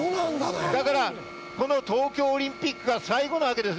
だからこの東京オリンピックが最後なわけです。